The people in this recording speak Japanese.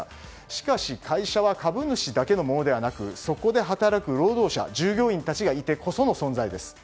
しかし、会社は株主だけのものではなくそこで働く労働者、従業員がいてこその存在です。